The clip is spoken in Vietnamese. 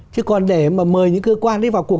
chứ còn để mà mời những cơ quan đi vào cuộc